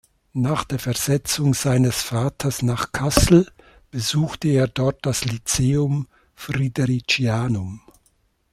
Nach der Versetzung seines Vaters nach Kassel besuchte er dort das Lyceum Fridericianum.